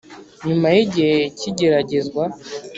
nyuma yi gihe cy’igeragezwa